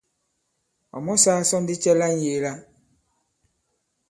Ɔ̀ mɔsāā sɔ ndi cɛ la ŋ̀yēē la?